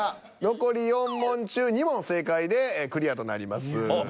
残り４問中２問正解でクリアとなります。